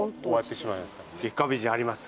月下美人あります。